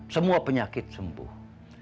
semua penyakit sembuh